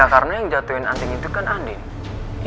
ya karena yang jatuhin anting itu kan anin